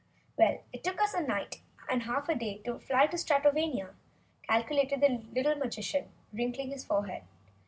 "Well, it took us a night, and half a day to fly to Stratovania," calculated the little Magician, wrinkling his forehead.